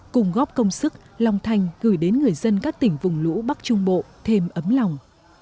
cùng góp công sức lòng thành gửi đến người dân các tỉnh vùng lũ bắc trung bộ thêm ấm lòng